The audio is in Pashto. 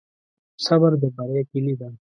صبر د بری کلي ده.